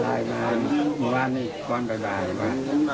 ไลน์มามึงว่างไหนกรอนบายนะ